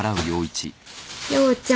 陽ちゃん。